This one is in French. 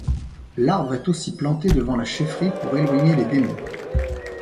L'arbre est aussi planté devant la chefferie pour éloigner les démons.